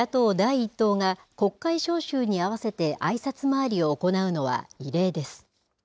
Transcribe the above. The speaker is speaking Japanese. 野党第１党が国会召集に合わせてあいさつ回りを行うのは異例です。